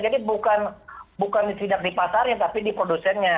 jadi bukan disidak di pasarnya tapi di produsennya